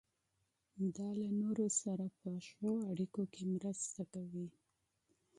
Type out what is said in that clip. دا له نورو سره په ښو اړیکو کې مرسته کوي.